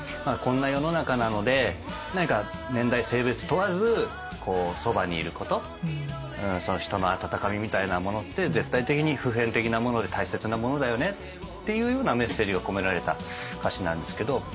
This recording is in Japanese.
こんな世の中なので何か年代性別問わずそばにいること人の温かみみたいなものって絶対的に普遍的なもので大切なものだよねっていうようなメッセージが込められた歌詞なんですけど。